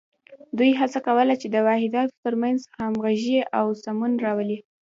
دوی هڅه کوله چې د واحداتو تر منځ همغږي او سمون راولي.